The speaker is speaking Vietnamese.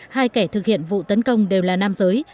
hai kẻ thực hiện vụ tấn công đều là nam giới